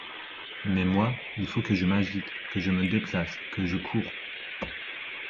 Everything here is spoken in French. Mais moi, il faut que je m'agite, que je me déplace, que je coure …